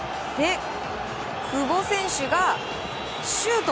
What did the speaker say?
久保選手がシュート。